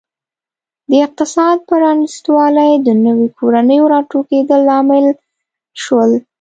د اقتصاد پرانیستوالی د نویو کورنیو راټوکېدل لامل شول.